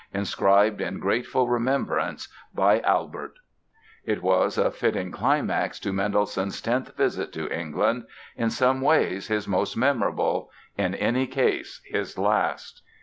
Inscribed in grateful remembrance by Albert" It was a fitting climax to Mendelssohn's tenth visit to England—in some ways his most memorable, in any case his last.